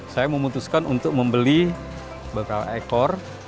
saya memutuskan untuk membeli bakal ekor